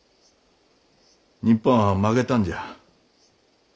日本は負けたんじゃ。